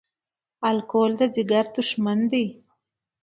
الکول د ځیګر دښمن دی